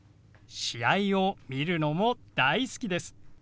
試合を見るのも大好きです。